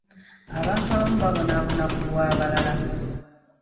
Abantu abamu babonaabona ku lw'abalala.